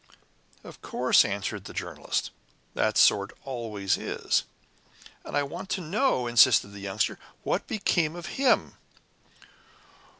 "Of course," answered the Journalist. "That sort always is." "And I want to know," insisted the Youngster, "what became of him?"